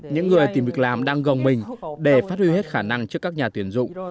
những người tìm việc làm đang gồng mình để phát huy hết khả năng trước các nhà tuyển dụng